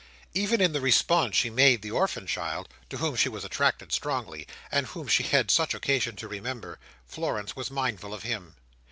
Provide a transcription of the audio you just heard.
Even in the response she made the orphan child, to whom she was attracted strongly, and whom she had such occasion to remember, Florence was mindful of him.